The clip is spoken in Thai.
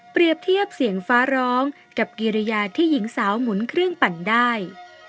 เทียบเสียงฟ้าร้องกับกิริยาที่หญิงสาวหมุนเครื่องปั่นได้